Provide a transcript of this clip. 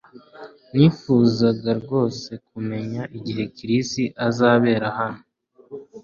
Nifuzaga rwose kumenya igihe Chris azabera hano